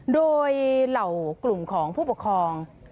โดยเหล่ากลุ่มของผู้ปกครอง